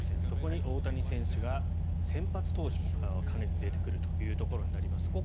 そこに大谷選手が先発投手も兼ねてくるということになります